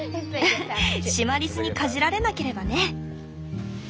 シマリスにかじられなければね。